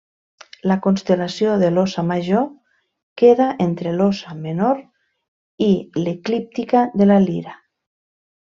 La constel·lació de l'Óssa Major queda entre l'Óssa Menor i l'eclíptica de la Lira.